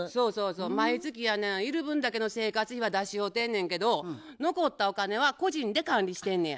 毎月やねいる分だけの生活費は出し合うてんねんけど残ったお金は個人で管理してんねや。